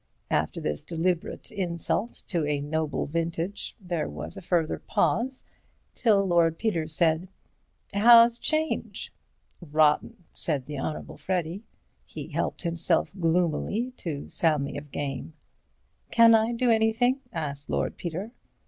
After this deliberate insult to a noble vintage there was a further pause, till Lord Peter said: "'How's 'Change?" "Rotten," said the Honourable Freddy. He helped himself gloomily to salmis of game. "Can I do anything?" asked Lord Peter.